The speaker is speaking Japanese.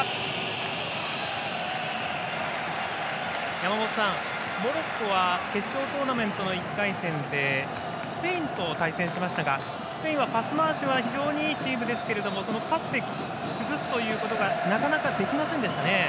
山本さん、モロッコは決勝トーナメントの１回戦でスペインと対戦しましたがスペインはパス回しは非常にいいチームですけどそのパスで崩すということがなかなかできませんでしたね。